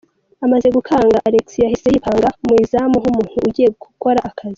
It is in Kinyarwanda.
Amaze gukanga Alex yahise yipanga mu izamu nk'umuntu ugiye gukora akazi.